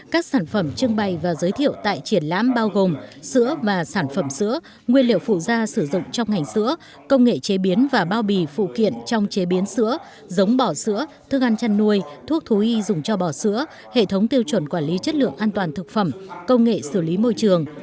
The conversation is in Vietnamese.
các sản phẩm trưng bày và giới thiệu tại triển lãm bao gồm sữa và sản phẩm sữa nguyên liệu phụ gia sử dụng trong ngành sữa công nghệ chế biến và bao bì phụ kiện trong chế biến sữa giống bỏ sữa thức ăn chăn nuôi thuốc thú y dùng cho bò sữa hệ thống tiêu chuẩn quản lý chất lượng an toàn thực phẩm công nghệ xử lý môi trường